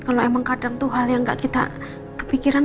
kalau emang kadang tuh hal yang gak kita kepikiran